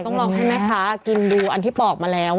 ต้องลองให้แม่ค้ากินดูอันที่บอกมาแล้ว